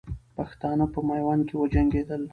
پښتانه په میوند کې وجنګېدل.